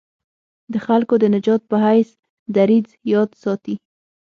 د خلکو د نجات په حیث دریځ یاد ساتي.